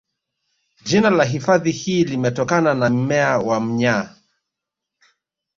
Jina la hifadhi hii limetokana na mmea wa mnyaa